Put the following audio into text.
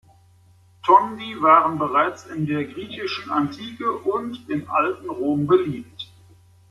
Tondi waren bereits in der griechischen Antike und im Alten Rom beliebt.